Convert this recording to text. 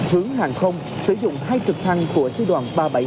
hướng hàng không sử dụng hai trực thăng của sư đoàn ba trăm bảy mươi